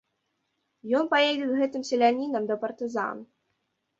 Ён паедзе з гэтым селянінам да партызан.